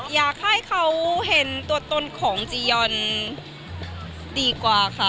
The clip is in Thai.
อยากให้เขาเห็นตัวตนของจียอนดีกว่าค่ะ